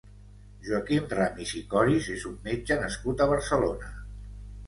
Joaquim Ramis i Coris és un metge nascut a Barcelona.